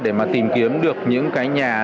để mà tìm kiếm được những cái nhà